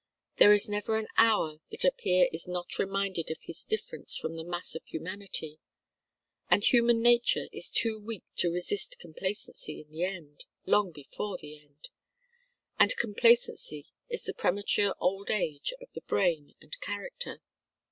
There is never an hour that a peer is not reminded of his difference from the mass of humanity; and human nature is too weak to resist complacency in the end long before the end. And complacency is the premature old age of the brain and character.